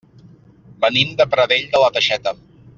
Venim de Pradell de la Teixeta.